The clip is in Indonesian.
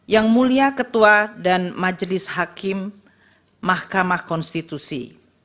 yang mulia ketua dan majelis hakim mahkamah konstitusi